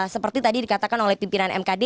seperti tadi dikatakan oleh pimpinan mkd